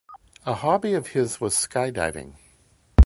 A hobby of his was skydiving.